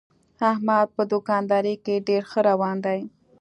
احمد په دوکاندارۍ کې ډېر ښه روان دی.